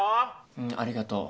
うんありがとう。